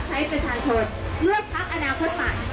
และเป็นการเมืองใหม่ที่จะรับใช้ประชาชนด้วยพรรคอนาคตปัศน์